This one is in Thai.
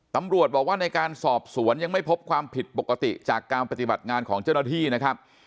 ตำรวจบอกว่าในการสอบสวนยังไม่พบความผิดปกติจากการปฏิบัติงานของเจ้าหน้าที่นะครับ